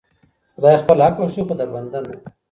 خدای خپل حق بخښي خو د بندې نه.